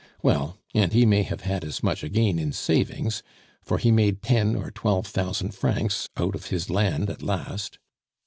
Well, and he may have had as much again in savings, for he made ten or twelve thousand francs out of his land at last.